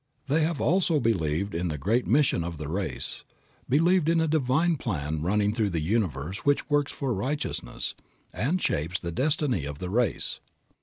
They have also believed in the great mission of the race; believed in a divine plan running through the universe which works for righteousness, and shapes the destiny of the race.